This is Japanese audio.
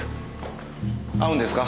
会うんですか？